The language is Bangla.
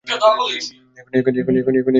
এখনি চলে আসবো।